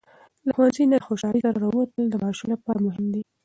له ښوونځي نه د خوشالۍ سره راووتل د ماشوم لپاره مهم دی.